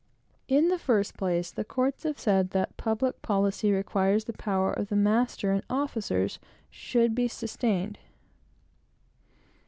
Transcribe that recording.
In the first place, the courts have said that public policy requires the power of the master and officers should be sustained.